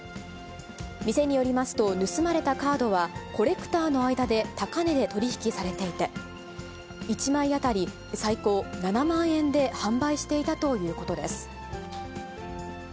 店によりますと、盗まれたカードは、コレクターの間で高値で取り引きされていて、１枚当たり最高７万円で販売していたということです。